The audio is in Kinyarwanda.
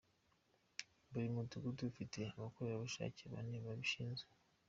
Buri mudugudu ufite abakorerabushake bane babishinzwe.